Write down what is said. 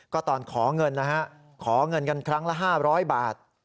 ก็ตอนขอเงินนะฮะขอเงินกันครั้งละ๕๐๐บาท